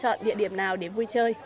lựa chọn địa điểm nào để vui chơi